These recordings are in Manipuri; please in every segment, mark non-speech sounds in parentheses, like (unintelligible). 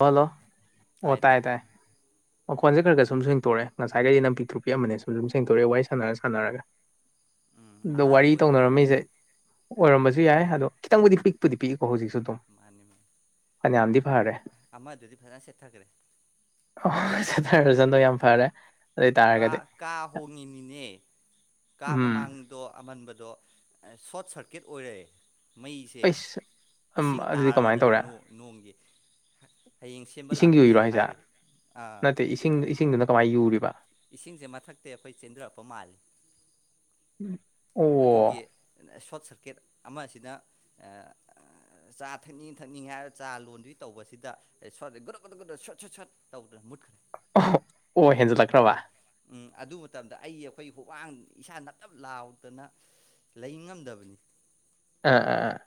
ꯍꯜꯂꯣ ꯑꯣ ꯇꯥꯏꯌꯦ ꯇꯥꯏ ꯃꯈꯣꯟꯖꯦ ꯈꯔꯒ ꯁꯨꯝ ꯁꯦꯡꯇꯣꯛꯔꯦ ꯉꯁꯥꯢꯒꯩꯅ ꯄꯤꯛꯇ꯭ꯔꯨ ꯄꯤꯛꯑꯝꯕꯅꯦ ꯁꯨꯝ ꯁꯨꯝ ꯁꯦꯡꯇꯣꯛꯔꯦ ꯋꯥꯔꯤ ꯁꯥꯟꯅꯔ ꯁꯥꯟꯅꯔꯒ ꯎꯝ ꯗꯣ ꯑꯍꯥꯟꯕ ꯋꯥꯔꯤ ꯑꯣꯏꯕꯤ ꯑꯣꯏꯔꯝꯅꯤ ꯇꯧꯅꯔꯝꯃꯤꯖꯦ ꯑꯣꯏꯔꯝꯕꯖꯨ ꯌꯥꯏ ꯑꯗꯣ ꯈꯤꯇꯪꯕꯨꯗꯤ ꯄꯤꯛꯄꯨꯗꯤ ꯄꯤꯛꯏꯀꯣ ꯍꯧꯖꯤꯛꯁꯨ ꯑꯗꯨꯝ ꯃꯥꯟꯅꯦ ꯃ ꯐꯅꯌꯥꯝꯗꯤ ꯐꯔꯦ ꯑꯃꯗꯨꯗꯤ ꯐꯖ ꯁꯦꯠꯊꯒꯔꯦ ꯑꯣ ꯁꯦꯠꯊꯒꯔꯖꯅꯣ ꯌꯥꯝ ꯐꯔꯦ ꯑꯗꯨ ꯑꯣꯏ ꯀꯥ ꯇꯥꯔꯒꯗꯤ ꯀꯥ ꯍꯣꯡꯉꯤꯝꯅꯤꯅꯦ ꯀꯥ ꯎꯝ ꯃꯃꯥꯡ ꯗꯣ ꯑꯃꯟꯕꯗꯣ ꯑ ꯁꯣꯔꯠ ꯁꯔꯀꯤꯠ ꯑꯣꯏꯔꯦ ꯃꯩꯁꯦ ꯑꯩꯁ ꯎꯝ ꯏꯁꯤꯡ ꯑꯗꯨꯗꯤ ꯀꯃꯥꯏꯅ ꯇꯥꯔꯝꯗꯅ ꯇꯧꯔꯦ ꯅꯣ ꯅꯣꯡꯒꯤ ꯍ ꯍꯌꯦꯡ ꯁꯦꯝꯕ ꯏꯁꯤꯡ ꯌꯨꯔꯤꯔꯣ ꯂꯥꯛꯀꯅꯦꯅ ꯍꯥꯏꯁꯦ ꯍꯥꯏꯔꯤ ꯑꯥ ꯅꯠꯇꯦ ꯏꯁꯤꯡ ꯏꯁꯤꯡꯗꯨꯅ ꯀꯃꯥꯏ ꯌꯨꯔꯤꯕ ꯏꯁꯤꯡꯖꯦ ꯃꯊꯛꯇꯩ ꯑꯈꯣꯏ ꯆꯦꯟꯗꯔꯛꯄ ꯃꯥꯜꯂꯤ ꯑꯣ ꯑꯗꯨꯒꯤ ꯁꯣꯔꯠ ꯁꯔꯀꯤꯠ ꯑꯃꯁꯤꯗ ꯑ ꯑ ꯆꯥ ꯊꯛꯅꯤꯡ ꯊꯛꯅꯤꯡꯉꯦ ꯍꯥꯏꯔ ꯆꯥ ꯂꯣꯟꯗꯨꯢ ꯇꯧꯕꯁꯤꯗ ꯁꯣꯠ ꯒꯨꯔꯨꯛ ꯒꯨꯗꯨꯛ ꯒꯨꯗꯨ ꯁꯣꯠ ꯁꯨꯠ ꯁꯣꯠ ꯇꯧꯗ꯭ꯔꯥ ꯃꯨꯠꯈ꯭ꯔꯦ ꯑꯣ ꯍꯦꯟꯖꯜꯂꯛꯈ꯭ꯔꯕ ꯎꯝ ꯑꯗꯨ ꯃꯇꯝꯗ ꯑꯩ ꯑꯈꯣꯏ ꯍꯨꯋꯥꯡ ꯏꯁꯥ ꯅꯞꯅꯞ ꯂꯥꯎꯗꯅ ꯂꯩ ꯉꯝꯗꯕꯅꯤ ꯑꯥ ꯑꯥ ꯑꯥ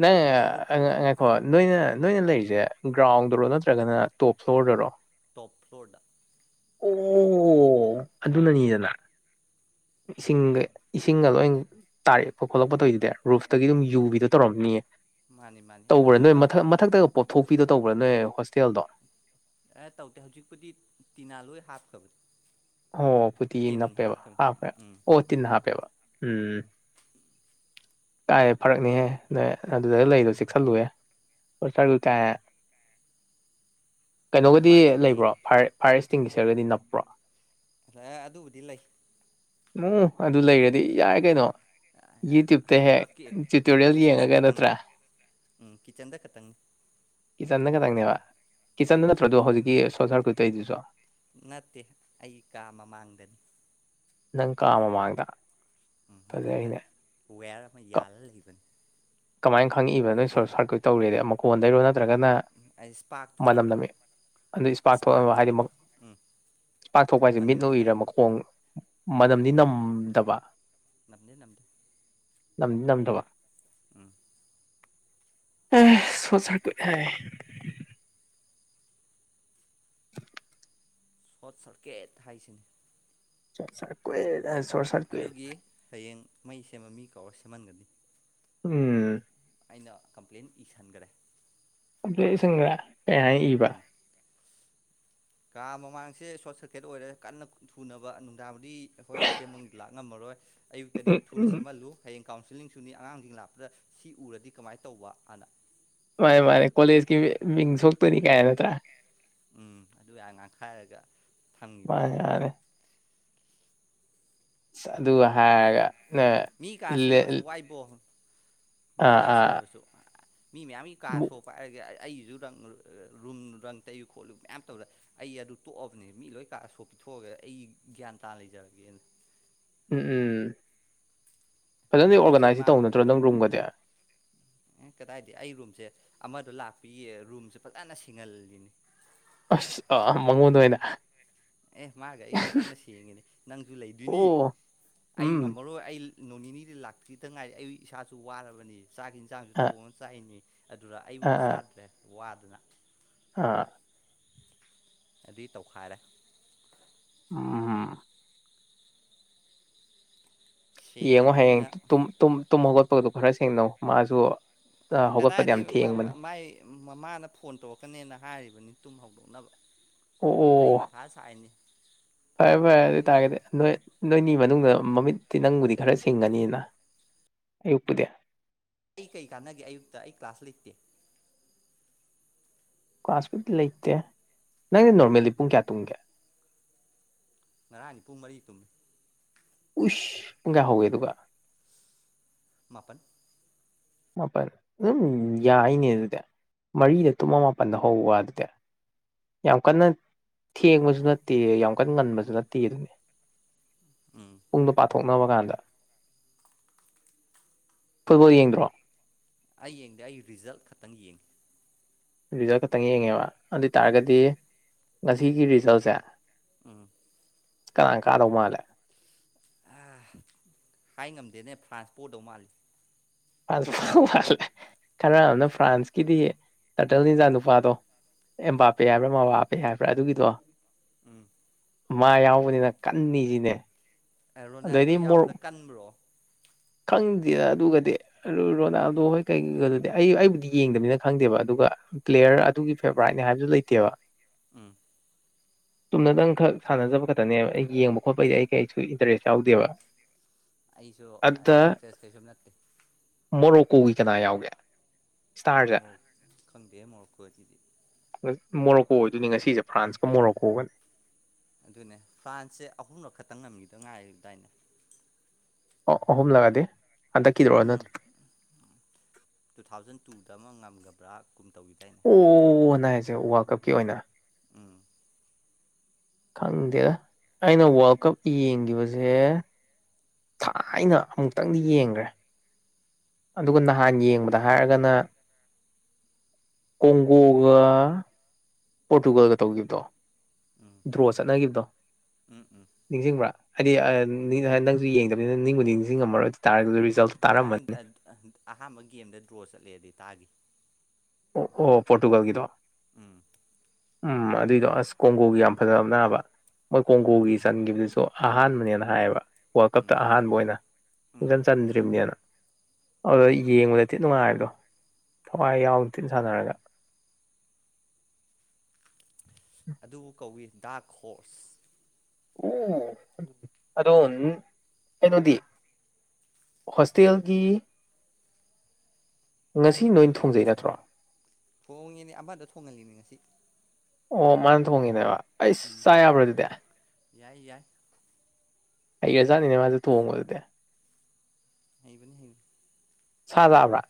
ꯅꯪ ꯐꯦꯟ ꯑꯪ ꯃꯨꯠꯈ꯭ꯔꯕꯗ ꯉꯥꯏꯈꯣ ꯅꯣꯏꯅ ꯅꯣꯏꯅ ꯂꯩꯔꯤꯖꯦ ꯒ꯭ꯔꯥꯎꯟꯗꯔꯣ ꯅꯠꯇ꯭ꯔꯒꯅ ꯇꯣꯞ ꯐ꯭ꯂꯣꯔꯗꯔꯣ ꯇꯣꯞ ꯐ꯭ꯂꯣꯔꯗ ꯑꯣ ꯑꯗꯨꯅꯅꯤꯗꯥ ꯏꯁꯤꯡꯒ ꯏꯁꯤꯡꯒ ꯂꯣꯏ ꯇꯥꯔꯦꯛꯄ ꯈꯣꯠꯂꯛꯄ ꯇꯧꯋꯤꯗꯨꯗꯤ ꯔꯨꯐꯇꯒꯤ ꯑꯗꯨꯝ ꯌꯨꯕꯤꯗꯣ ꯇꯧꯔꯝꯅꯤꯌꯦ ꯃꯥꯅꯤ ꯃꯥꯅꯤ ꯇꯧꯕ꯭ꯔꯥ ꯅꯣꯏ ꯑꯗꯨꯗ ꯃꯊꯛ ꯃꯠ ꯊꯛꯇꯒ ꯄꯣꯞꯊꯣꯛꯄꯤꯗꯣ ꯇꯧꯕ꯭ꯔꯥ ꯅꯣꯏ ꯍꯣꯁꯇꯦꯜꯗꯣ ꯑꯦ ꯇꯧꯗꯦ ꯍꯧꯖꯤꯛꯄꯨꯗꯤ ꯇꯤꯅꯥ ꯂꯣꯏ ꯍꯥꯞꯈ꯭ꯔꯕꯅꯤ ꯑꯣ ꯐꯨꯇꯤꯟ ꯇꯤꯟ ꯅꯞꯄꯦꯕ ꯍꯥꯞꯈ꯭ꯔꯕꯅꯤ ꯍꯥꯞꯄꯦ ꯎꯝ ꯑꯣ ꯇꯤꯟ ꯍꯥꯞꯄꯦꯕ ꯎꯝ ꯀꯥꯏ ꯐꯔꯛꯅꯦꯍꯦ ꯅꯣꯏ ꯑꯗꯨꯗꯒ ꯂꯩꯗꯣ ꯆꯦꯛꯁꯜꯂꯨꯍꯦ (unintelligible) ꯀꯩꯅꯣꯒꯗꯤ ꯎꯄꯥꯏ ꯂꯩꯇꯦ ꯂꯩꯕ꯭ꯔꯣ ꯐꯥꯐꯌꯔ ꯐꯥꯏꯌꯔ ꯏꯁꯇꯤꯡꯒꯤꯁꯔꯒꯗꯤ ꯅꯞꯄ꯭ꯔꯣ ꯂꯩꯌꯦ ꯑꯗꯨꯕꯨꯗꯤ ꯂꯩ ꯑꯣ ꯑꯗꯨ ꯂꯩꯔꯗꯤ ꯌꯥꯔꯦ ꯀꯩꯅꯣ ꯌꯨꯇ꯭ꯌꯨꯞ ꯇ ꯑꯗꯨꯗ ꯍꯦꯛ ꯇ꯭ꯌꯨꯇꯣꯔꯤꯌꯦꯜ ꯀꯤꯠꯆꯟꯗ ꯌꯦꯡꯉꯒ ꯈꯇꯪꯅꯤ ꯅꯠꯇ꯭ꯔꯥ ꯎꯝ ꯀꯤꯠꯆꯟꯗ ꯈꯇꯪꯅꯤ ꯀꯤꯠꯆꯟꯗ ꯈꯇꯪꯅꯦꯕ ꯎꯝ ꯀꯤꯠꯆꯟꯗ ꯅꯠꯇ꯭ꯔꯣꯗꯣ ꯍꯧꯖꯤꯛꯀꯤ ꯁꯣꯔꯠ ꯁꯥꯔꯀꯨꯏꯠ ꯇꯣꯏꯗꯨꯁꯨ ꯅꯠꯇꯦ ꯑꯩ ꯀꯥ ꯃꯃꯥꯡꯗꯅꯤ ꯅꯪ ꯀꯥ ꯃꯃꯥꯡꯗ ꯎꯝ ꯃꯊꯛꯇ ꯐꯖꯔꯤꯅꯦ ꯋꯦꯌꯔ ꯑꯃ ꯌꯥꯜꯂ ꯂꯩꯕꯅꯤ ꯀꯃꯥꯏꯈꯪꯉꯛꯏꯕ ꯅꯣꯏ ꯁꯣꯔꯠ ꯁꯥꯔꯀ꯭ꯨꯠ ꯇꯧꯔꯦꯗꯤ ꯃꯀꯣꯟꯗꯩꯔꯣ ꯅꯠꯇ꯭ꯔꯒꯅ ꯑꯩ ꯏꯁꯄꯥꯛ ꯃꯅꯝ ꯊꯣꯛꯂꯛꯄ ꯅꯝꯃꯦ ꯑꯗꯩ ꯏꯁꯄꯥꯔꯛ ꯏꯁꯄꯥꯛ ꯊꯣꯛꯑꯕ ꯍꯥꯏꯗꯤ ꯊꯣꯛꯂꯛꯄ ꯃꯛ ꯎꯝ ꯄꯥꯛꯊꯣꯛꯄ ꯍꯥꯏꯁꯦ ꯃꯤꯠꯅ ꯃꯅꯝꯗꯤ ꯎꯨꯏꯔ ꯅꯝꯗꯦ ꯃꯈꯣꯡ ꯃꯤꯠꯅ ꯃꯅꯝꯗꯤ ꯃꯤꯠꯅ ꯅꯝꯗꯕ ꯅꯝꯗꯦ ꯅꯝꯗꯦ ꯅꯝꯗꯤ ꯅꯝꯗꯕ ꯎꯝ ꯑꯦ ꯁꯣꯔꯠ ꯁꯥꯔꯀ꯭ꯌꯨꯠ ꯍꯥꯏ (inaudible) ꯁꯣꯔꯠ ꯁꯥꯔꯀꯦꯠ ꯍꯥꯏꯁꯤꯅꯤ ꯁꯣꯔꯠ ꯁꯥꯔꯀꯨ꯭ꯏꯠ ꯍꯥꯏ ꯁꯣꯔꯠ ꯁꯥꯔꯀꯨ꯭ꯏꯠ ꯑꯗꯨꯒꯤ ꯍꯌꯦꯡ ꯃꯩ ꯁꯦꯝꯕ ꯃꯤ ꯀꯧꯔ ꯁꯦꯝꯃꯟꯒꯅꯤ ꯎꯝ ꯑꯩꯅ ꯀꯝꯄ꯭ꯂꯦꯟ ꯏꯁꯟꯒꯔꯦ ꯀꯝꯄ꯭ꯂꯦꯟ ꯏꯁꯟꯒ꯭ꯔꯦ ꯀꯩ ꯍꯥꯏꯅ ꯏꯕ ꯥꯀꯥ ꯃꯃꯥꯡꯁꯦ ꯁꯣꯔꯠ ꯁꯔꯀꯤꯠ ꯑꯣꯏꯔꯦ ꯀꯟꯅ ꯊꯨꯅꯕ ꯇꯥꯕꯨꯗꯤ ꯑꯈꯣꯏ ꯁꯦꯝꯃ ꯂꯥꯛ ꯉꯝꯃꯔꯣꯏ ꯑꯌꯨꯛꯇꯗꯤ ꯎꯝ ꯊꯨꯅ ꯎꯝ ꯎꯝ ꯁꯦꯝꯃꯜꯂꯨ ꯍꯌꯦꯡ ꯀꯥꯎꯟꯁꯤꯜꯂꯤꯡꯁꯨꯅꯤ ꯑꯉꯥꯡꯁꯤꯡ ꯂꯥꯛꯄꯗ ꯁꯤ ꯎꯔꯗꯤ ꯀꯃꯥꯏ ꯇꯧꯕ ꯑꯅ ꯃꯥꯅꯦ ꯃꯥꯅꯦ ꯀꯣꯂꯦꯖꯀꯤ ꯃꯤ ꯃꯤꯡ ꯁꯣꯛꯇꯣꯏꯅꯤ ꯀꯥꯏ ꯅꯠꯇ꯭ꯔꯥ ꯑꯦ ꯎꯝ ꯑꯗꯨ ꯌꯥ ꯉꯥꯡꯈꯥꯏꯔꯒ ꯊꯝꯈꯤꯕꯅꯤ ꯃꯥꯟꯅꯦ ꯃꯥꯟꯅꯦ ꯑꯁ ꯑꯗꯨꯒ ꯍꯥꯏꯔꯒ ꯅ ꯃꯤ ꯀꯥ ꯂꯦ ꯁꯦꯟꯅꯕꯁꯨ ꯋꯥꯏ ꯕꯣ ꯃꯤ ꯑꯥ ꯀꯥ ꯑꯥ ꯁꯦꯟꯅꯕꯁꯨ ꯃꯤ ꯃꯌꯥꯝꯒꯤ ꯀꯥ ꯁꯣ ꯃꯨ- ꯄꯥꯏꯔꯒ ꯑ ꯑꯩꯒꯤꯁꯨ ꯇꯪ ꯔ ꯔꯨꯝ ꯔꯪ ꯇꯩꯌꯨ ꯈꯣꯠꯂꯨ ꯃꯌꯥꯝ ꯇꯧꯔ ꯑꯩ ꯑꯗꯨ ꯇꯣꯛꯑꯕꯅꯦ ꯃꯤ ꯂꯣꯏ ꯀꯥ ꯁꯣꯛ ꯄꯤꯊꯣꯛꯑꯒꯦ ꯑꯩ ꯒ꯭ꯌꯥꯟ ꯇꯥꯅ ꯂꯩꯖꯔꯒꯦꯅ ꯎꯝ ꯎꯝ ꯐꯖꯟꯅꯗꯤ ꯄꯣꯠ ꯆꯩ ꯑꯣꯔꯒꯅꯥꯏꯁꯇꯤ ꯃꯥꯡꯕ ꯇꯧꯅꯗ꯭ꯔꯣ ꯈꯣꯠꯄ ꯅꯪ ꯔꯨꯝꯒꯗꯤ ꯑꯦ ꯀꯗꯥꯏꯗꯤ ꯑꯩ ꯔꯨꯝꯁꯦ ꯑꯃꯗꯣ ꯂꯥꯛꯄꯤ ꯔꯨꯝꯁꯦ ꯐꯖꯟꯅ ꯁꯦꯡꯍꯜꯂꯤꯅꯤ ꯑꯁ ꯑꯥ ꯃꯉꯣꯟꯗ ꯑꯣꯏꯅ ꯑꯦ ꯃꯥꯒ ꯑꯩ ꯆꯪꯉ ꯁꯦꯡꯉꯤꯅꯤ ꯅꯪꯖꯨ ꯂꯩꯗꯨꯏꯅꯤ ꯑꯣ ꯑꯩ ꯎꯝ ꯉꯝꯃꯔꯣꯏ ꯑꯩ ꯅꯣꯡ ꯅꯤꯅꯤꯗꯤ ꯂꯥꯛꯇ꯭ꯔꯤꯗ ꯉꯥꯏꯔꯤ ꯑꯩ ꯏꯁꯥꯆꯨ ꯋꯥꯔꯕꯅꯤ ꯆꯥꯛ ꯏꯟꯖꯥꯡꯁꯨ ꯑꯥ ꯊꯣꯡꯉ ꯆꯥꯏꯅꯤ ꯑꯗꯨꯗ ꯑꯥ ꯑꯩꯕꯨꯗꯤ ꯑꯥ ꯆꯥꯗ꯭ꯔꯦ ꯋꯥꯗꯅ ꯑꯥ ꯑꯗꯤ ꯇꯧꯈꯥꯏꯔꯦ ꯎꯝ ꯌꯦꯡꯉꯣ ꯍꯌꯦꯡ ꯁꯦꯡꯉꯕꯅꯤꯅ ꯇꯨꯝ ꯇꯨꯝ ꯇꯨꯝ ꯍꯧꯒꯠꯄꯒꯗꯨ ꯈꯔ ꯁꯦꯡꯅꯧ ꯃꯥꯖꯨ ꯑꯥ ꯀꯗꯥꯏꯗꯩ ꯃꯥ ꯃꯥ ꯃꯥꯏ ꯃꯃꯥꯅ ꯐꯣꯟ ꯇꯧꯔꯛꯀꯅꯦꯅ ꯍꯥꯏꯔꯤꯕꯅꯤ ꯇꯨꯝ ꯍꯧꯗꯣꯛꯅꯕ ꯑꯣ ꯑꯩ ꯑꯣ ꯃꯠ ꯊꯥ ꯁꯥꯢꯅꯤ ꯐꯔꯦ ꯐꯔꯦ ꯑꯗꯨꯢ ꯇꯥꯔꯒꯗꯤ ꯅꯣꯢ ꯅꯣꯏꯅꯤ ꯃꯅꯨꯡꯗ ꯃꯃꯤꯠꯇꯤ ꯅꯪꯕꯨꯗꯤ ꯈꯔ ꯆꯤꯡꯉꯅꯤꯅ ꯑꯌꯨꯛꯄꯨꯗꯤ ꯑꯩ ꯀꯩ ꯀꯥꯟꯅꯒꯦ ꯑꯌꯨꯛꯇ ꯑꯩ ꯀ꯭ꯂꯥꯁ ꯂꯩꯇꯦ ꯀ꯭ꯂꯥꯁꯄꯨꯇꯤ ꯂꯩꯇꯦ ꯅꯪꯗꯤ ꯅꯣꯔꯃꯦꯜꯂꯤ ꯄꯨꯡ ꯀꯌꯥ ꯇꯨꯝꯒꯦ ꯉꯔꯥꯡꯗꯤ ꯄꯨꯡ ꯃꯔꯤ ꯇꯨꯝꯃꯤ ꯎꯁ ꯄꯨꯡ ꯀꯌꯥ ꯍꯧꯒꯦ ꯑꯗꯨꯒ ꯃꯥꯄꯟ ꯃꯥꯄꯟ ꯑꯗꯨꯝ ꯌꯥꯏꯅꯦ ꯑꯗꯨꯗꯤ ꯃꯔꯤꯗ ꯇꯨꯝꯃ ꯃꯥꯄꯟꯗ ꯍꯧꯕ ꯑꯗꯨꯗꯤ ꯌꯥꯝ ꯀꯟꯅ ꯊꯦꯡꯕꯖꯨ ꯅꯠꯇꯦ ꯌꯥꯝ ꯀꯟꯅ ꯉꯟꯕꯖꯨ ꯅꯠꯇꯦ ꯑꯗꯨꯅꯦ (inaudible) ꯎꯝ ꯄꯨꯡꯗꯣ ꯄꯥꯊꯣꯛꯅꯕ ꯀꯥꯟꯗ ꯐꯨꯠꯕꯣꯜ ꯌꯦꯡꯗ꯭ꯔꯣ ꯑꯩ ꯌꯦꯡꯗꯦ ꯑꯩ ꯔꯤꯖꯜ ꯈꯛꯇꯪ ꯌꯦꯡꯉꯤ ꯔꯤꯖꯜ ꯈꯛꯇꯪ ꯌꯦꯡꯉꯦꯕ ꯃꯥꯅꯤ ꯑꯗꯨꯏꯇꯥꯔꯒꯗꯤ ꯉꯁꯤꯒꯤ ꯔꯤꯖꯜꯁꯦ ꯎꯝ ꯀꯅꯥ ꯀꯥꯗꯧ ꯃꯥꯜꯂꯦ ꯑ ꯍꯥꯏ ꯉꯝꯗꯦꯅꯦ ꯐ꯭ꯔꯥꯟꯁ ꯄꯣꯗꯧ ꯃꯥꯜꯂꯤ ꯐ꯭ꯔꯥꯟꯁ ꯄꯣꯗꯧ ꯃꯥꯜꯂꯦ ꯈꯔ ꯑꯃꯅ ꯐ꯭ꯔꯥꯟꯁꯀꯤꯗꯤ ꯇꯔꯇꯜ ꯅꯤꯖꯥꯡ ꯅꯨꯄꯥꯗꯣ ꯑꯦꯝꯕꯥꯄꯦ ꯍꯥꯏꯕ꯭ꯔꯥ ꯃꯕꯥꯄꯦ ꯍꯥꯏꯕ꯭ꯔꯥ ꯑꯗꯨꯒꯤꯗꯣ ꯎꯝ ꯃꯥ ꯌꯥꯎꯕꯅꯤꯅ ꯀꯟꯅꯤ ꯖꯤꯅꯦ ꯑꯦ ꯔꯣꯅꯥꯜꯗꯣ ꯌꯥꯎꯕꯗ ꯀꯟꯕ꯭ꯔꯣ ꯈꯪꯗꯦꯗ ꯑꯗꯨꯒꯗꯤ ꯔꯣ ꯔꯣꯅꯥꯜꯗꯣ ꯍꯣꯏ ꯀꯩꯒꯗꯨꯗꯤ ꯑꯩ ꯑꯩꯕꯨꯗꯤ ꯌꯦꯡꯗꯕꯅꯤꯅ ꯈꯪꯗꯦꯕ ꯑꯗꯨꯒ ꯄ꯭ꯂꯦꯌꯔ ꯑꯗꯨꯒꯤ ꯐꯦꯕꯣꯔꯥꯏꯠꯅꯤ ꯍꯥꯏꯕꯗꯨ ꯂꯩꯇꯦꯕ ꯎꯝ ꯆꯨꯝꯅꯗꯪ ꯈꯛ ꯁꯥꯟꯅꯖꯕ ꯈꯛꯇꯅꯦꯕ ꯑꯩ ꯌꯦꯡꯕ ꯈꯣꯠꯄꯩꯗꯤ ꯑꯩ ꯀꯩꯁꯨ ꯏꯟꯇꯔꯦꯁ ꯌꯥꯎꯗꯦꯕ ꯑꯩꯁꯨ ꯑ ꯑꯗꯨꯗ ꯏꯟꯇ꯭ꯔꯦꯁ ꯀꯩꯁꯨ ꯅꯠꯇꯦ ꯃꯣꯔꯣꯀꯣꯒꯤ ꯀꯅꯥ ꯌꯥꯎꯒꯦ ꯏꯁꯇꯥꯔꯁꯦ ꯃꯣꯔꯣꯛ ꯈꯪꯗꯦ ꯃꯣꯔꯣꯛꯀꯣꯖꯤꯗꯤ ꯃꯣꯔꯣꯀꯣ ꯑꯣꯏꯗꯣꯏꯅꯦ ꯉꯁꯤꯖꯦ ꯐ꯭ꯔꯥꯟꯁꯀ ꯃꯣꯔꯣꯀꯣꯒꯅꯤ ꯑꯗꯨꯅꯦ ꯐ꯭ꯔꯥꯟꯁꯁꯦ ꯑꯍꯨꯝꯂꯛ ꯈꯛꯇꯪ ꯉꯝꯒꯤꯗ ꯉꯥꯏꯔꯤꯕꯗꯥꯏꯅꯦ ꯑꯣ ꯑꯍꯨꯝꯂꯛꯑꯗꯤ ꯍꯟꯗꯛꯀꯤꯗꯣꯔꯣ ꯎꯝ ꯅꯠꯇ꯭ꯔ ꯇꯨ ꯊꯥꯎꯖꯟ ꯇꯨꯗ ꯑꯃ ꯉꯝꯒꯕ꯭ꯔꯥ ꯀꯨꯝ ꯇꯧꯒꯤꯗꯥꯏꯅꯦ ꯑꯣ ꯅꯪ ꯍꯥꯏꯁꯦ ꯋꯥꯜ ꯀꯞꯀꯤ ꯑꯣꯏꯅ ꯎꯝ ꯈꯪꯗꯦꯗ ꯑꯩꯅ ꯋꯥꯔꯜ ꯀꯞ ꯌꯦꯡꯒꯤꯕꯖꯦ ꯊꯥꯏꯅ ꯑꯃꯨꯛꯇꯪꯗꯤ ꯌꯦꯡꯒ꯭ꯔꯦ ꯑꯗꯨꯒ ꯅꯍꯥꯟ ꯌꯦꯡꯕꯗ ꯍꯥꯏꯔꯒꯅ ꯀꯣꯡꯒꯣꯒ ꯄꯣꯔꯇꯨꯒꯜꯒ ꯇꯧꯈꯤꯕꯗꯣ ꯎꯝ ꯗ꯭ꯔꯣ ꯆꯠꯅꯒꯤꯕꯗꯣ ꯎꯝ ꯅꯤꯡꯁꯤꯡꯕ꯭ꯔꯥ ꯍꯥꯏꯗꯤ ꯅꯪꯁꯨ ꯌꯦꯡꯗꯕꯅꯤꯅ ꯅꯤꯡꯕꯨꯗꯤ ꯅꯤꯡꯁꯤꯡꯉꯝꯃꯔꯣꯏ ꯑꯗꯨ ꯇꯥꯔꯒ ꯔꯤꯖꯜꯇꯣ ꯇꯥꯔꯝꯃꯅꯤ ꯎꯝ ꯑꯍꯥꯟꯕ ꯒꯦꯝꯗ ꯗ꯭ꯔꯣ ꯆꯠꯂꯦꯗꯤ ꯇꯥꯒꯤ ꯑꯣ ꯑꯣ ꯄꯣꯔꯇꯨꯒꯜꯒꯤꯗꯣ ꯎꯝ ꯎꯝ ꯑꯗꯨꯏꯗꯣ ꯑꯁ ꯀꯣꯡꯒꯣꯒꯤ ꯌꯥꯝ ꯐꯖꯕꯅꯦ ꯍꯥꯢꯕ ꯃꯣꯏ ꯀꯣꯡꯒꯣꯒꯤ ꯆꯟꯒꯤꯕꯗꯨꯁꯨ ꯑꯍꯥꯟꯕꯅꯦꯅ ꯍꯥꯏꯌꯦꯕ ꯋꯥꯔꯜ ꯀꯞꯇ ꯎꯝ ꯑꯍꯥꯟꯕ ꯑꯣꯏꯅ ꯎꯝ ꯁꯨꯡꯆꯟ ꯆꯟꯗ꯭ꯔꯤꯕꯅꯦꯅ ꯑꯗꯨꯗ ꯌꯦꯡꯕꯗꯗꯤ ꯊꯤ ꯅꯨꯡꯉꯥꯏꯕꯗꯣ ꯊꯋꯥꯏ ꯌꯥꯎꯗ ꯇꯤꯟ ꯁꯥꯟꯅꯔꯒ ꯑꯗꯨꯕꯨ ꯀꯧꯏ ꯗꯥꯛ ꯍꯣꯔꯁ ꯑꯣ ꯑꯗꯣ ꯅꯨꯡ ꯀꯩꯅꯣꯗꯤ ꯍꯣꯁꯇꯦꯜꯒꯤ ꯉꯁꯤ ꯅꯣꯏꯅ ꯊꯣꯡꯖꯩ ꯅꯠꯇ꯭ꯔꯣ ꯊꯣꯡꯉꯤꯅꯦ ꯑꯃꯗ ꯊꯣꯡꯍꯜꯂꯤꯅꯦ ꯉꯁꯤ ꯑꯣ ꯃꯥꯅ ꯊꯣꯡꯉꯤꯅꯦꯕ ꯑꯩꯆ ꯎꯝ ꯆꯥ ꯌꯥꯕ꯭ꯔꯥ ꯑꯗꯨꯗꯤ ꯌꯥꯏ ꯌꯥꯏ ꯍꯩꯒꯔꯖꯥꯠꯅꯤꯅꯦ ꯃꯥꯁꯨ ꯊꯣꯡꯉꯕ ꯑꯗꯨꯗꯤ ꯍꯩꯕꯅꯤ ꯍꯩꯕꯅꯤ ꯁꯥ ꯂꯥꯛꯑꯕꯔꯥ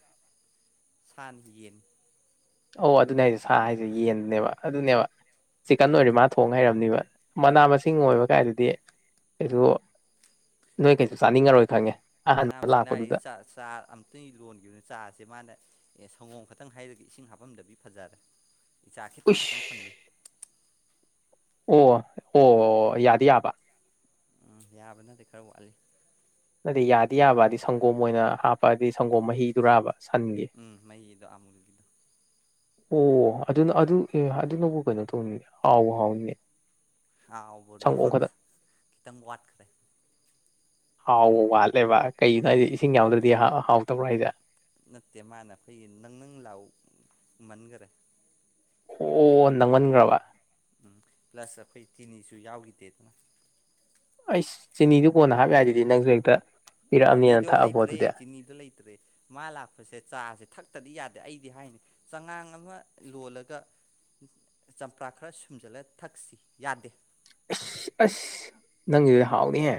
(unintelligible) ꯑꯣ ꯑꯗꯨꯅꯦ ꯍꯥꯏꯖꯦ ꯁꯥ ꯍꯥꯏꯖꯦ ꯌꯦꯟꯅꯦꯕ ꯑꯗꯨꯅꯦꯕ ꯆꯤꯛꯀꯟ ꯑꯣꯏꯔꯤꯕ ꯃꯥ ꯊꯣꯡ ꯍꯩꯔꯝꯅꯤꯕ ꯃꯅꯥ ꯃꯁꯤꯡ ꯑꯣꯏꯕ ꯀꯥꯏꯗꯨꯗꯤ ꯀꯩꯁꯨ ꯅꯣꯏ ꯀꯩꯁꯨ ꯆꯥꯅꯤꯡꯉꯔꯣꯏ ꯈꯪꯉꯦ ꯃꯅꯥ ꯑꯍꯥꯟꯕ ꯃꯁꯤꯡ ꯂꯥꯏꯔꯤ ꯂꯥꯛꯄꯗꯨꯗ ꯆꯥ ꯆꯥ ꯑꯝ ꯈꯤꯇꯪ ꯂꯣꯟꯈꯤꯕꯅꯦ ꯆꯥꯁꯦ ꯃꯥꯅ ꯑꯦ ꯁꯪꯒꯣꯝ ꯈꯛꯇꯪ ꯍꯩꯔꯒ ꯏꯁꯤꯡ ꯍꯥꯞꯄꯝꯗꯕꯤ ꯐꯖꯔꯦ ꯆꯥꯥ ꯈꯤꯇꯪ ꯈꯤꯇꯪ ꯐꯪꯉꯤ ꯎꯏꯁ ꯑꯣ ꯑꯣ ꯌꯥꯗꯤ ꯌꯥꯕ ꯎꯝ ꯌꯥꯕꯅꯗꯤ ꯈꯔ ꯋꯥꯠꯂꯤ ꯅꯠꯇꯦ ꯌꯥꯗꯤ ꯌꯥꯕꯗꯤ ꯁꯪꯒꯣꯝ ꯑꯣꯏꯅ ꯍꯥꯞꯄꯗꯤ ꯁꯪꯒꯣꯝ ꯃꯍꯤꯗꯨꯔꯥꯕ ꯁꯟꯒꯤ ꯎꯝ ꯃꯍꯤꯗꯣ ꯑꯃꯨꯜꯒꯤ ꯑꯣ ꯑꯗꯨꯅ ꯑꯗꯨ ꯑꯦ ꯑꯗꯨꯅꯕꯨ ꯀꯩꯅꯣ ꯇꯧꯅꯤꯅꯦ ꯍꯥꯎꯕꯨ ꯍꯥꯎꯅꯤꯅꯦ ꯍꯥꯎꯕꯅꯣ ꯁꯪꯒꯣꯝ ꯈꯛꯇꯪ ꯈꯤꯇꯪ ꯋꯥꯠꯈ꯭ꯔꯦ ꯍꯥꯎꯕ ꯋꯥꯠꯂꯦꯕ ꯀꯩꯒꯤꯅꯣ ꯎꯝ ꯍꯥꯏꯗꯤ ꯏꯁꯤꯡ ꯌꯥꯎꯗ꯭ꯔꯗꯤ ꯍꯥꯎꯇꯕ꯭ꯔꯣ ꯍꯥꯏꯖꯦ ꯅꯠꯇꯦ ꯃꯥꯅ ꯑꯩꯈꯣꯏ ꯅꯪ ꯅꯪ ꯂꯥꯎꯃꯟꯒꯔꯦ ꯑꯣ ꯅꯪꯃꯟꯈ꯭ꯔꯕ ꯎꯝ ꯄ꯭ꯂꯁ ꯑꯈꯣꯏ ꯆꯤꯅꯤꯁꯨ ꯌꯥꯎꯈꯤꯗꯦꯗꯅ ꯑꯩꯁ ꯆꯤꯅꯤꯗꯤ ꯀꯣꯟꯅ ꯍꯥꯞ ꯌꯥꯏꯗꯨꯗꯤ ꯅꯪꯁꯨ ꯍꯦꯛꯇ ꯄꯤꯔꯛꯑꯕꯅꯦꯅ ꯆꯤꯅꯤꯗꯣ ꯊꯛꯑꯕꯣ ꯂꯩꯩꯇ꯭ꯔꯦ ꯑꯗꯨꯗꯤ ꯑꯁ ꯆꯤꯅꯤꯗꯣ ꯂꯩꯇ꯭ꯔꯦ ꯃꯥ ꯂꯥꯛꯄꯁꯦ ꯆꯥꯁꯦ ꯊꯛꯇꯗꯤ ꯌꯥꯗꯦ ꯑꯩꯗꯤ ꯍꯥꯏꯅꯤ ꯆꯉꯥꯡ ꯑꯃ ꯂꯣꯜꯂꯒ ꯆꯝꯄ꯭ꯔꯥ ꯈꯔ ꯁꯨꯝꯖꯤꯜꯂ ꯊꯛꯁꯤ ꯌꯥꯗꯦ ꯑꯁ ꯑꯁ ꯅꯪꯒꯤꯗꯤ ꯍꯥꯎꯅꯤꯍꯦ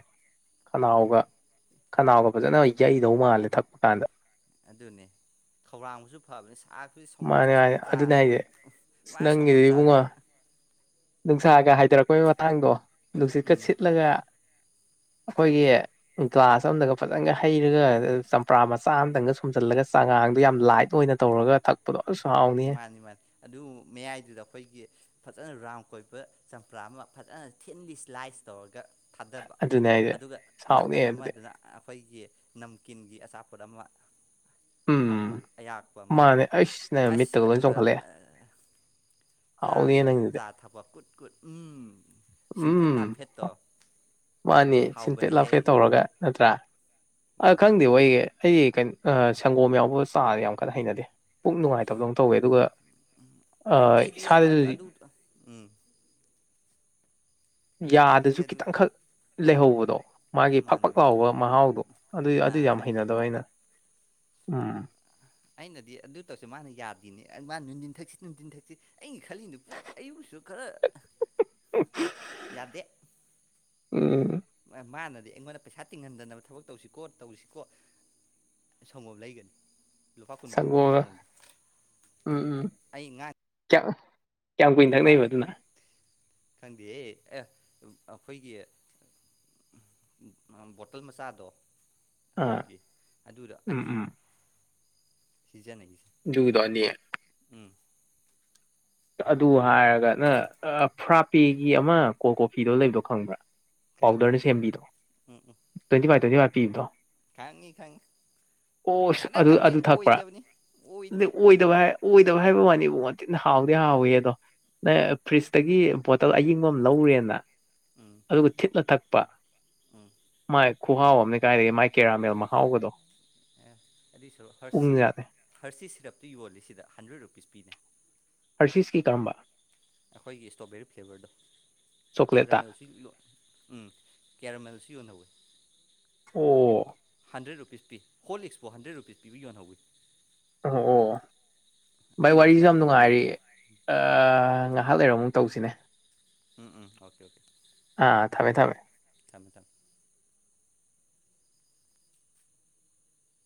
ꯈꯅꯥꯎꯒ ꯈꯅꯥꯎꯒ ꯐꯖꯅ ꯌꯩꯗꯧ ꯃꯥꯜꯂꯦ ꯊꯛꯄ ꯀꯥꯟꯗ ꯑꯗꯨꯅꯦ ꯈꯧꯔꯥꯡꯕꯁꯨ ꯐꯕꯅꯤ ꯁꯥꯛ ꯑꯩꯈꯣꯏ ꯁꯪꯒꯣꯝ ꯃꯥꯅꯦ ꯃꯥꯅꯦ ꯁꯪꯒꯣꯝꯆꯥ ꯑꯗꯨꯅꯦ ꯍꯥꯏꯁꯦ ꯑꯁ ꯃꯥ ꯁꯪꯒꯣꯝ ꯅꯪꯒꯤꯗꯨꯗꯤ ꯆꯥꯖꯦ ꯏꯕꯨꯡꯉꯣ ꯅꯨꯡꯁꯥꯒ ꯍꯥꯏꯊꯔꯛꯄꯒꯤ ꯃꯇꯥꯡꯗꯣ ꯅꯨꯡꯁꯤꯠꯀ ꯎꯝ ꯁꯤꯠꯂꯒ ꯑꯩꯈꯣꯏꯒꯤ ꯒ꯭ꯂꯥꯁ ꯑꯝꯗꯒ ꯐꯖꯅꯒ ꯍꯩꯔꯒ ꯆꯝ ꯆꯝꯄ꯭ꯔꯥ ꯃꯆꯥ ꯑꯃꯇꯪꯒ ꯁꯨꯝꯖꯜꯂꯒ ꯆꯉꯥꯡꯗꯣ ꯌꯥꯝ ꯂꯥꯏꯠ ꯑꯣꯏꯅ ꯇꯧꯔꯒ ꯊꯛ ꯥꯄꯗꯣ ꯑꯁ ꯍꯥꯎ ꯃꯥꯅꯤ ꯃꯥꯅꯤ ꯑꯗꯨ ꯃꯌꯥꯏꯗꯨꯗ ꯑꯩꯈꯣꯏꯒꯤ ꯐꯖꯅ ꯔꯥꯎꯟ ꯀꯣꯏꯕ ꯆꯝꯄ꯭ꯔꯥ ꯑꯃ ꯐꯖꯅ ꯊꯤꯟꯂꯤ ꯑꯁꯂꯥꯏꯁ ꯇꯧꯔꯒ ꯊꯥꯗꯕ ꯑꯗꯨꯅꯦ ꯍꯥꯏꯁꯦ ꯑꯗꯨꯒ ꯑꯁ ꯅꯥꯀꯟ ꯍꯥꯎꯅꯤꯍꯦ ꯑꯗꯨꯗꯤ ꯑꯃꯗꯅ ꯑꯩꯈꯣꯏꯒꯤ ꯅꯝꯀꯤꯟꯒꯤ ꯑꯆꯥꯄꯣꯠ ꯑꯃ ꯊꯝꯕ ꯑꯌꯥꯛꯄ ꯑꯃ ꯈꯟꯗꯦ ꯑꯩꯁ ꯅꯪ ꯑꯁ ꯃꯤꯠꯇꯒ ꯂꯣꯏ ꯑꯗꯨꯔ ꯆꯣꯡꯈꯠꯂꯛꯑꯦ ꯍꯥꯎꯅꯤꯍꯦ ꯆꯥꯔꯒ ꯅꯪꯒꯤꯗꯨꯗꯤ ꯆꯥ ꯊꯛꯄ ꯀꯨꯠ ꯀꯨꯠ ꯎꯝ ꯁꯤꯟꯐꯦꯠ ꯂꯥꯞꯐꯦꯠꯇꯣ ꯃꯥꯅꯦ ꯁꯤꯟꯐꯦꯠ ꯂꯥꯐꯦꯠ ꯇꯧꯔꯒ ꯅꯠꯇ꯭ꯔ ꯑ ꯈꯪ ꯃꯥꯅꯤ ꯈꯪꯗꯤ ꯍꯒꯤ ꯑꯩꯗꯤ ꯀꯩꯅꯣ ꯁꯪꯒꯣꯝ ꯌꯥꯎꯕ ꯆꯥꯖꯦ ꯌꯥꯝ ꯀꯟꯅ ꯍꯩꯅꯗꯦ ꯄꯨꯛ ꯅꯨꯡꯉꯥꯏꯇꯕꯗꯧ ꯇꯧꯋꯦ ꯑꯗꯨꯒ ꯑ ꯑꯩ ꯑꯩꯗꯤ ꯏꯁꯥꯗꯁꯨ ꯑꯗꯨ ꯑꯗꯨ ꯎꯝ ꯑꯩꯗꯤ ꯌꯥꯗꯁꯨ ꯑꯗꯨ ꯈꯤꯇꯪꯈꯛ ꯂꯩꯍꯧꯕꯗꯣ ꯃꯥꯒꯤ ꯃꯥꯅꯤ ꯐꯛꯄꯛ ꯃꯥꯅꯤ ꯂꯥꯎꯕ ꯃꯍꯥꯎꯗꯣ ꯑꯗꯨ ꯑꯗꯨ ꯑꯥ ꯌꯥꯝ ꯈꯪ ꯈꯪ ꯍꯩꯅꯗꯕ ꯊꯛ ꯑꯩꯅ ꯊꯛ ꯎꯝ ꯑꯩꯅꯗꯤ ꯑꯗꯨ ꯇꯧꯁꯤ ꯃꯥꯅ ꯌꯥꯗꯦꯅꯦ ꯃꯥ ꯅꯨꯡꯊꯤꯟ ꯊꯛꯁꯤ ꯅꯨꯡꯊꯤꯟ ꯊꯛꯁꯤ ꯑꯩꯟ ꯈꯜꯂꯤꯅ ꯄꯨꯛ ꯑꯌꯨꯛꯁꯨ ꯈꯔ (unintelligible) ꯌꯥꯗꯦ ꯎꯝ ꯃꯥꯅꯗꯤ ꯑꯩꯉꯣꯟꯗ ꯄꯩꯁꯥ ꯇꯤꯡꯍꯟꯗꯅꯕ ꯊꯕꯛ ꯇꯧꯁꯤꯀꯣ ꯇꯧꯁꯤꯀꯣ ꯁꯪꯒꯣꯝ ꯂꯩꯒꯅꯤ ꯂꯨꯄꯥ ꯀꯨꯟ ꯀꯨꯟ ꯄꯤꯕ ꯁꯪꯒꯣꯝꯒ ꯁꯪꯒꯣꯝꯗꯣ ꯑꯩ ꯉꯥ ꯀꯌꯥ (unintelligible) ꯈꯪꯗꯦ ꯑꯦ ꯑ ꯑꯈꯣꯏꯒꯤ ꯕꯣꯇꯜ ꯃꯆꯥꯗꯣ ꯑꯥ ꯑꯃꯨꯜꯒꯤ ꯑꯗꯨꯗꯣ ꯎꯝ ꯎꯝ ꯑꯅꯤꯅꯤ ꯄꯤꯖꯟꯅꯩꯁꯦ ꯗꯨꯒꯤꯗꯣ ꯑꯅꯤ ꯎꯝ ꯑꯗꯨ ꯍꯥꯏꯔꯒ ꯅꯪ ꯑ ꯐ꯭ꯔꯥꯄꯦꯒꯤ ꯑꯃ ꯀꯣꯜ ꯀꯣꯐꯤꯗꯣ ꯂꯩꯕꯗꯣ ꯈꯪꯕ꯭ꯔꯥ ꯈꯪꯉꯦ ꯄꯥꯎꯗꯔꯅ ꯁꯦꯝꯕꯤꯗꯣ ꯎꯝ ꯎꯝ ꯇ꯭ꯋꯦꯟꯇꯤ ꯐꯥꯏꯚ ꯇ꯭ꯋꯦꯟꯇꯤ ꯐꯥꯏꯚ ꯄꯤꯕꯗꯣ ꯈꯪꯉꯤ ꯈꯪꯉꯤ ꯑꯣꯁ ꯑꯗꯨ ꯀꯥꯟꯅꯗꯕꯅꯤ ꯑꯗꯨ ꯊꯛꯄ꯭ꯔꯥ ꯑꯣꯏꯗꯕꯅꯤ ꯗꯦ ꯑꯣꯏꯗꯦ ꯑꯣꯏꯗꯕ ꯑꯣꯏꯗꯦ ꯍꯥꯏ ꯑꯣꯏꯗꯕ ꯍꯥꯏꯕ ꯋꯥꯅꯤꯕꯨ ꯋꯥꯇꯤꯟ ꯍꯥꯎ ꯗꯤ ꯍꯥꯎꯏ ꯑꯗꯣ ꯅꯪ ꯐ꯭ꯔꯤꯖꯇꯒꯤ ꯕꯣꯇꯜ ꯑꯌꯤꯡꯕ ꯑꯃ ꯂꯧꯔꯦꯅ ꯎꯝ ꯑꯗꯨꯒ ꯊꯤꯠꯂ ꯊꯛꯄ ꯎꯝ ꯃꯥꯏ ꯈꯨꯍꯥꯎ ꯑꯝꯅꯦ ꯀꯥꯏꯗꯒꯤ ꯃꯥꯏ ꯀꯦꯔꯥꯃꯦꯜ ꯃꯍꯥꯎꯒꯗꯣ ꯑꯦ ꯑꯗꯨꯏ ꯁꯔꯨꯛ ꯄꯨꯡ ꯍꯔꯁꯤ ꯌꯥꯥꯗꯦ ꯍꯔꯁꯤ ꯁꯤꯔꯞꯇꯨ ꯌꯣꯜꯂꯤꯁꯤꯗ ꯍꯟꯗ꯭ꯔꯦꯗ ꯔꯨꯄꯤꯁ ꯄꯤꯅꯦ ꯍꯔꯁꯤꯁꯀꯤ ꯀꯔꯝꯕ ꯑꯩꯈꯣꯏꯒꯤ ꯏꯁꯇꯣꯕꯦꯔꯤ ꯐ꯭ꯂꯦꯕꯔꯗꯣ ꯆꯣꯀ꯭ꯂꯦꯠꯇ ꯀꯦꯔꯥꯃꯦꯜꯁꯤ ꯂꯣ__ ꯎꯝ ꯀꯦꯔꯥꯃꯦꯜꯁꯨ ꯌꯣꯟꯍꯧꯋꯤ ꯑꯣ ꯍꯟꯗ꯭ꯔꯦꯗ ꯔꯨꯄꯤꯁ ꯄꯤ ꯍꯣꯂꯤꯛꯁꯄꯣ ꯍꯟꯗ꯭ꯔꯦꯗ ꯔꯨꯄꯤꯁ ꯄꯤꯕ ꯌꯣꯟꯍꯧꯋꯤ ꯑꯣ ꯑꯣ ꯚꯥꯏ ꯑꯩ ꯑꯃꯨꯛ ꯋꯥꯔꯤꯖꯨ ꯌꯥꯝ ꯉꯛꯏꯅꯦ ꯅꯨꯡꯉꯥꯏꯔꯤ ꯑꯥ ꯉꯥꯍꯥꯛ ꯂꯩꯔ ꯃꯨꯛ ꯇꯧꯖꯤꯅꯦ ꯎꯝ ꯎꯝ ꯑꯣꯀꯦ ꯑꯣꯀꯦ ꯑꯥ ꯊꯝꯃꯦ ꯊꯝꯃꯦ ꯊꯝꯃꯦ ꯊꯝ